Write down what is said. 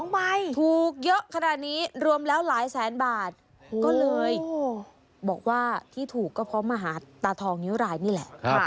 ถูกเยอะขนาดนี้รวมแล้วหลายแสนบาทก็เลยบอกว่าที่ถูกก็เพราะมหาตาทองนิ้วรายนี่แหละ